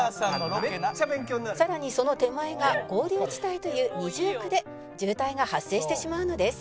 「さらにその手前が合流地帯という二重苦で渋滞が発生してしまうのです」